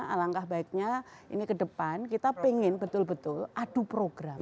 alangkah baiknya ini ke depan kita ingin betul betul adu program